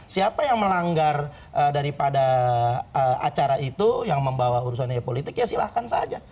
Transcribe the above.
siapa yang melanggar daripada acara itu yang membawa urusannya politik ya silahkan saja